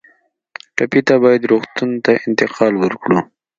ټپي ته باید روغتون ته انتقال ورکړو.